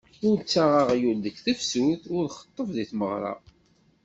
Ur ttaɣ aɣyul deg tefsut, ur xeṭṭeb deg tmeɣra.